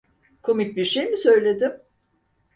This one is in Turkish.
Komik bir şey mi söyledim?